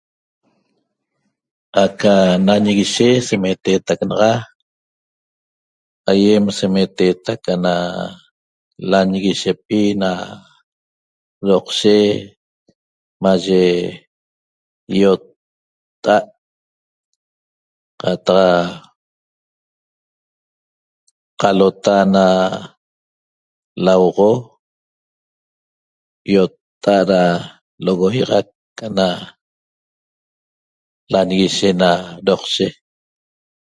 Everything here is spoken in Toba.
Aca nanguishe semeteetac naxa aýem semeteetac ana languishepi na doqshe maye ýotta'a't qataq qalota na lauoxo ýotta'a't da lo'ogoixac ana languishe na doqshe